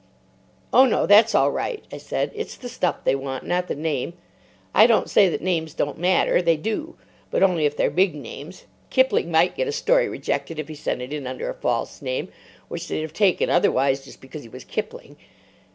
"Oh no; that's all right," I said. "It's the stuff they want, not the name. I don't say that names don't matter. They do. But only if they're big names. Kipling might get a story rejected if he sent it in under a false name, which they'd have taken otherwise just because he was Kipling.